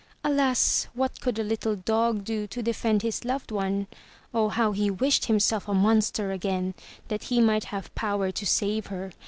Alas! what could a little dog do to defend his loved one. Oh how he wished himself a monster again that he might have power to save her.